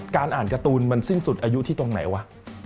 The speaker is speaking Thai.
การอ่านการ์ตูนมันสิ้นสุดอายุที่ตรงไหนวะ